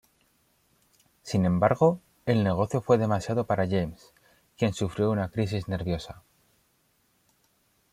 Sin embargo, el negocio fue demasiado para James, quien sufrió una crisis nerviosa.